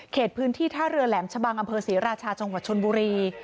เขตพื้นที่ท่าเรือแหลมชะบังอศรีราชาจชนบุรี